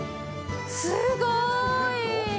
すごい！